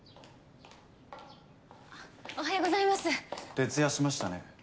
徹夜しましたね。